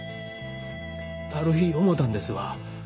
ある日思たんですわ。